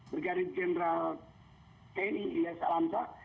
bergaris general tni ilyas alamsa